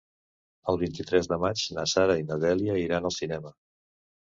El vint-i-tres de maig na Sara i na Dèlia iran al cinema.